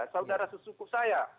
saudara sesuku saya